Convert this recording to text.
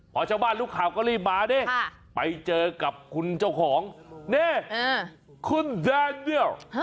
พอชาวบ้านรู้ข่าวก็รีบมาดิไปเจอกับคุณเจ้าของนี่คุณแดเนียล